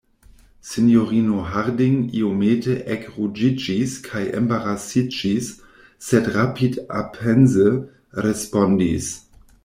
Sinjorino Harding iomete ekruĝiĝis kaj embarasiĝis, sed rapidapense respondis: